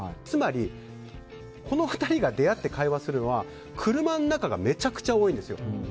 つまり、この２人が出会って会話するのは車の中がめちゃくちゃ多いんですよ。